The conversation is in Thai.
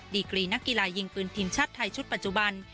ดีกรีนักกีฬายิงปืนทีมชาติไทยชุดปัจจุบัน